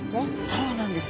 そうなんです。